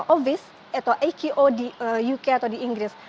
ovis atau aqo di uk atau di inggris